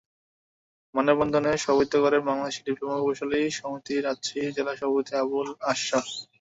মানববন্ধনে সভাপতিত্ব করেন বাংলাদেশ ডিপ্লোমা প্রকৌশলী সমিতির রাজশাহী জেলা সভাপতি আবুল আশরাফ।